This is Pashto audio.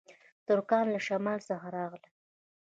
ترکان له شمال څخه راغلل